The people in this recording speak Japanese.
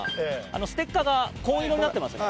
ステッカーが紺色になってますね。